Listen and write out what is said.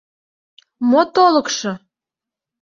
— Мо толыкшо?